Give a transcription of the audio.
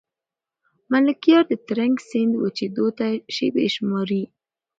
ملکیار د ترنک سیند وچېدو ته شېبې شماري.